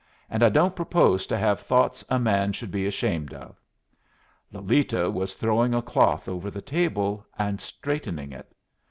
And I don't propose to have thoughts a man should be ashamed of." Lolita was throwing a cloth over the table and straightening it.